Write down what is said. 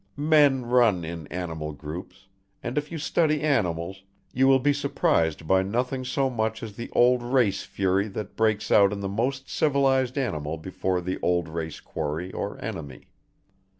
Men run in animal groups, and if you study animals you will be surprised by nothing so much as the old race fury that breaks out in the most civilized animal before the old race quarry or enemy.